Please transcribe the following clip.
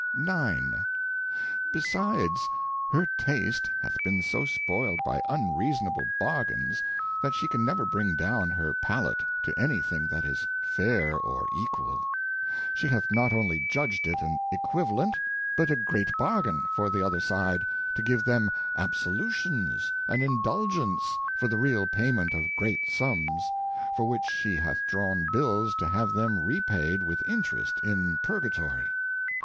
IX. Besides, her Taste hath been so spoiled by unreasonable Bargains, that she can never bring down her Palate to any thing that is fair or equal. She hath not only judg'd it an Equivalent, but a great Bargain for the other side, to give them Absolutions and Indulgence for the real Payment of great Sums, for which she hath drawn Bills to have them repayed with Interest in Purgatory